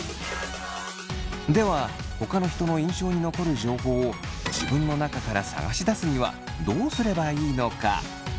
ではほかの人の印象に残る情報を自分の中から探し出すにはどうすればいいのか？